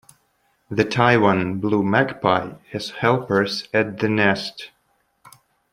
The Taiwan blue magpie has helpers at the nest.